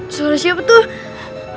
soalnya siapa tuh